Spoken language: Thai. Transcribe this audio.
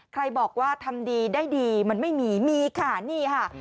ใครบอกว่าทำดีได้ดีมันไม่มีมีค่ะนี่ค่ะ